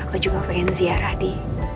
aku juga pengen ziarah di